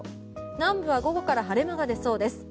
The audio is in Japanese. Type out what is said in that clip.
南部は午後から晴れ間が出そうです。